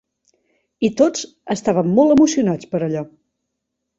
I tots estàvem molt emocionats per allò.